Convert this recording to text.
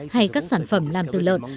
hay các sản phẩm làm từ lợn